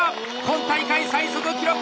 今大会最速記録！